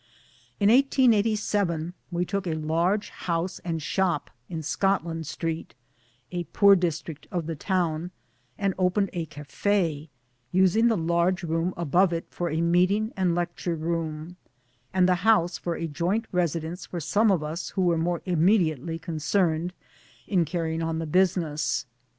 In 1887 we took a large house and shop in Scotland Street, a poor district of the town ; and opened a cafe, using the large room 1 above for a meeting and lecture room, and the house for a joint residence for some of us who were more immediately concerned in carrying on the business.